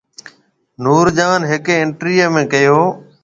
نور جهان هيڪ انٽرويو ۾ ڪهيو